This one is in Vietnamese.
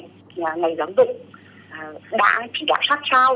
mặc dù là ngày giáo dục mặc dù là ngày giáo dục mặc dù là ngày giáo dục